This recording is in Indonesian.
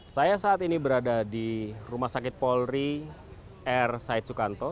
saya saat ini berada di rumah sakit polri r said sukanto